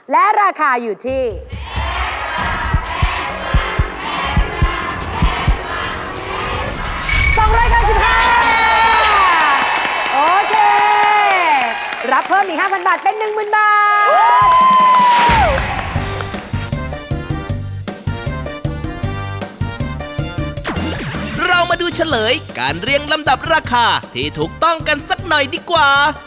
เรามาดูเฉลยการเรียงลำดับราคาที่ถูกต้องกันสักหน่อยดีกว่า